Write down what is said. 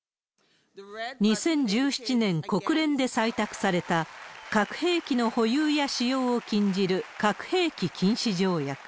２０１７年、国連で採択された、核兵器の保有や使用を禁じる核兵器禁止条約。